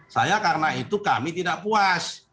saya karena itu kami tidak puas